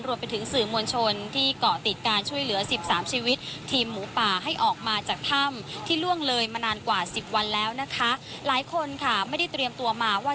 รวมไปถึงสื่อมวลชนที่เกาะติดการช่วยเหลือ๑๓ชีวิตทีมหมูป่า